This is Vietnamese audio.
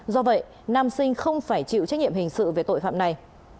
do vậy nam sinh không phải chịu trách nhiệm hình sự về tội phạm này